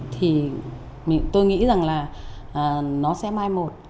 thì tôi nghĩ rằng là nó sẽ mai một